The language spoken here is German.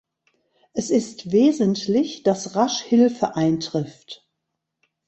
Es ist wesentlich, dass rasch Hilfe eintrifft.